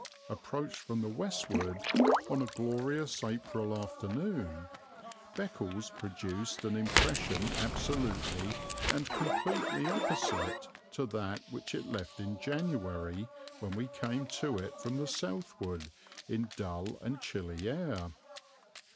Approached from the westward on a glorious April afternoon, Beccles produced an impression absolutely and completely opposite to that which it left in January when we came to it from the southward in dull and chilly air.